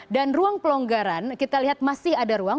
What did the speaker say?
dan ruang pelonggaran kita lihat masih ada ruang